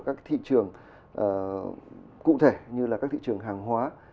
các cái thị trường cụ thể như là các thị trường hàng hóa